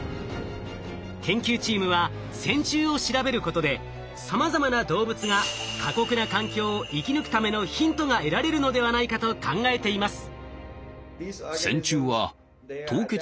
研究チームは線虫を調べることでさまざまな動物が過酷な環境を生き抜くためのヒントが得られるのではないかと考えています。